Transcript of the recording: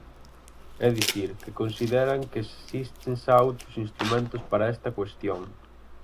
É dicir, que consideran que existen xa outros instrumentos para esta cuestión.